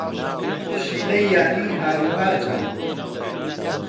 پشیلەی یانی ھاروھاجە.